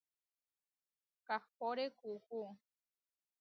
Kahpóre kuʼú.